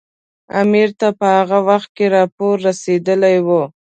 امیر ته په هغه وخت کې راپور رسېدلی وو.